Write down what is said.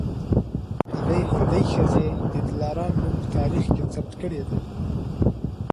هغې هندۍ ښځې د دلارام نوم په تاریخ کي ثبت کړی دی